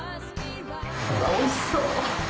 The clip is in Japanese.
おいしそう。